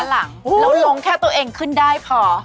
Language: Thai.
แล้วลงแค่ตัวเองขึ้นได้พอ